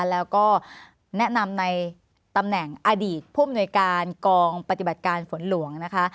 แล้วก็แนะนำในตำแหน่งอดีตผู้อำนวยการกองปฏิบัติการฝนหลวงนะคะ